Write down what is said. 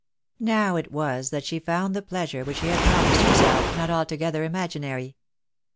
Now it was that she found the pleasure which she liad promised herself not altogether imaginary.